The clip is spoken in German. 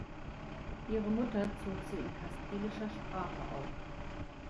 Ihre Mutter zog sie in kastilischer Sprache auf.